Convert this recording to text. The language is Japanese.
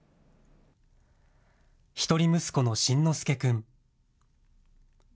一人息子の慎之介くん。